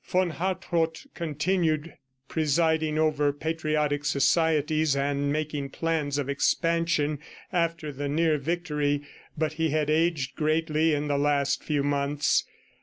Von Hartrott continued presiding over patriotic societies and making plans of expansion after the near victory, but he had aged greatly in the last few months.